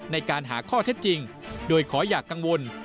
ในการหาข้อเท็จจริงโดยขออย่ากังวล